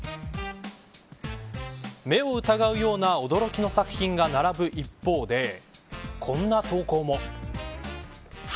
目を疑うような驚きの作品が並ぶ一方でこんな投稿も。